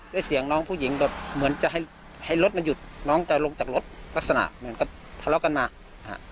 ได้เสียงน้องผู้หญิงแบบเหมือนจะให้ให้รถมันหยุดน้องจะลงจากรถลักษณะเหมือนกับทะเลาะกันมาอ่า